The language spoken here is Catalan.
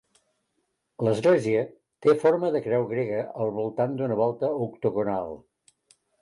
L'església té forma de creu grega al voltant d'una volta octogonal.